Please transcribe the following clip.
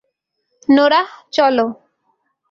Norah, চলো!